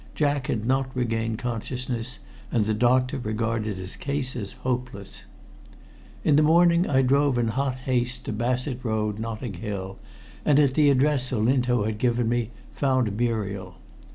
Jack had not regained consciousness, and the doctor regarded his case as hopeless. In the morning I drove in hot haste to Bassett Road, Notting Hill, and at the address Olinto had given me found Muriel.